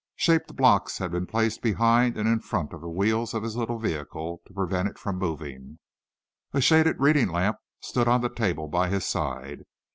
Shaped blocks had been placed behind and in front of the wheels of his little vehicle, to prevent it from moving. A shaded reading lamp stood on the table by his side.